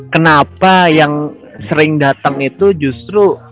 kenapa yang sering datang itu justru